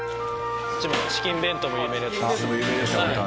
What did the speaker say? チキン弁当も有名ですよね。